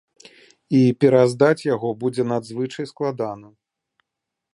І пераздаць яго будзе надзвычай складана.